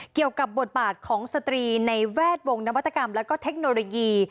เกี่ยวกับบทบาทของสตรีในแวดวงนวัตกรรมและเทคโนโลยี